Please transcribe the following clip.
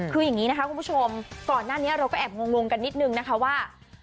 คืออย่างนี้นะคะคุณผู้ชมก่อนหน้านี้เราก็แอบงงกันนิดนึงนะคะว่า